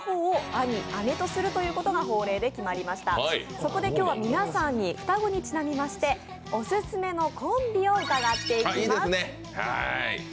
そこで今日は皆さんに双子にちなみましてオススメのコンビを伺っていきます。